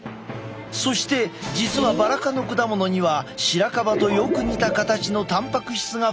そして実はバラ科の果物にはシラカバとよく似た形のたんぱく質が含まれている。